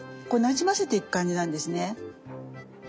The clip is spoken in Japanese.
こうなじませていく感じなんですね。